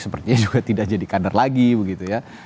sepertinya juga tidak jadi kader lagi begitu ya